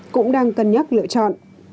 cũng đang cân nhắc lựa chọn